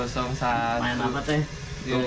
sehingga tepat rekaan main tertake atas jenisnaires